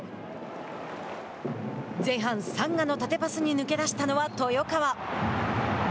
前半、サンガの縦パスに抜け出したのは豊川。